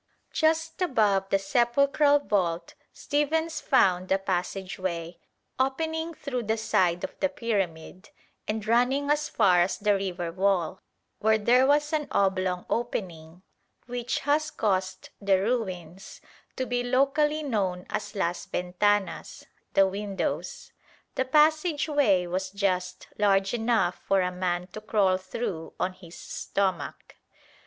] Just above this sepulchral vault Stephens found a passage way opening through the side of the pyramid, and running as far as the river wall, where there was an oblong opening which has caused the ruins to be locally known as Las Ventanas (the windows). The passage way was just large enough for a man to crawl through on his stomach.